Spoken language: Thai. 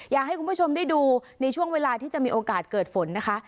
อยากให้คุณผู้ชมได้ดูในช่วงเวลาที่จะมีโอกาสเกิดฝนนะคะ